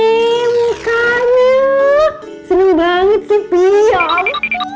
iiiih papi mukanya seneng banget sih piyam